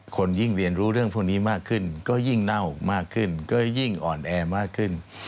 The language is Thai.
คนยิ่งเรียนรู้เรื่องพวกนี้มากขึ้นก็ยิ่งเน่ามากขึ้นก็ยิ่งอ่อนแอมากขึ้น